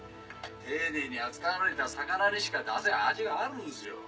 丁寧に扱われた魚にしか出せん味があるんですよ。